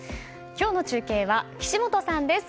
今日の中継は岸本さんです。